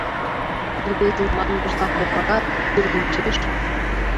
Рвезын манмыжла кокыра, тӱрвынчеш.